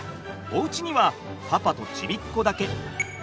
おうちにはパパとちびっこだけ。